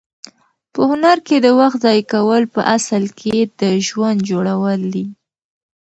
په هنر کې د وخت ضایع کول په اصل کې د ژوند جوړول دي.